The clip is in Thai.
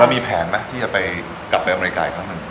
มีแผนไหมที่จะไปกลับไปอเมริกาอีกครั้งหนึ่ง